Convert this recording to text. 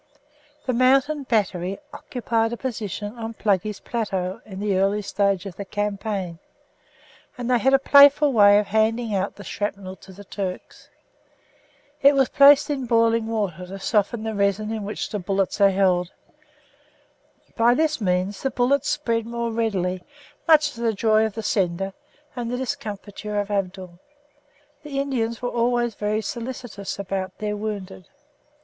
The mountain battery occupied a position on "Pluggey's Plateau" in the early stage of the campaign, and they had a playful way of handing out the shrapnel to the Turks. It was placed in boiling water to soften the resin in which the bullets are held. By this means the bullets spread more readily, much to the joy of the sender and the discomfiture of Abdul. The Indians were always very solicitous about their wounded.